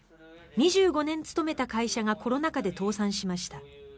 ２５年勤めた会社がコロナ禍で倒産しました。